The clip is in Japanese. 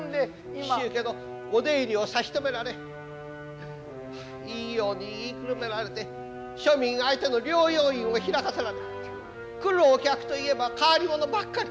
紀州家のお出入りを差し止められいいように言いくるめられて庶民相手の療養院を開かせられ来るお客といえば変わり者ばっかり。